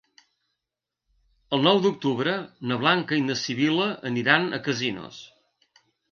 El nou d'octubre na Blanca i na Sibil·la aniran a Casinos.